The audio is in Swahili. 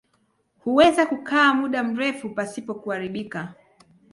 Huweza kukaa muda mrefu pasipo kuharibika.